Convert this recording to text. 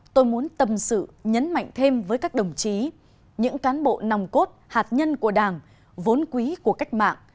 tôi muốn tâm sự nhấn mạnh thêm với các đồng chí những cán bộ nòng cốt hạt nhân của đảng vốn quý của cách mạng